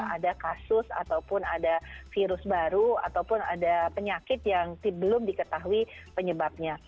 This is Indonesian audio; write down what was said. ada kasus ataupun ada virus baru ataupun ada penyakit yang belum diketahui penyebabnya